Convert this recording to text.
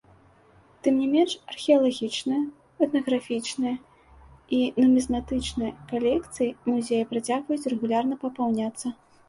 Тым не менш, археалагічная, этнаграфічная і нумізматычная калекцыі музея працягваюць рэгулярна папаўняцца.